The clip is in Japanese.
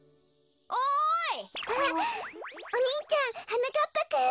お兄ちゃんはなかっぱくん！